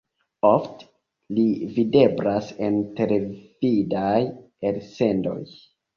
Ofte li videblas en televidaj elsendoj.